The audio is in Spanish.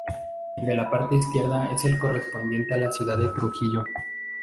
El de la parte izquierda es el correspondiente a la ciudad de Trujillo.